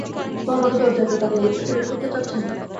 তো আমাকে দরজায় টোকা দিয়ে লোকটাকে বের করতে চাচ্ছেন?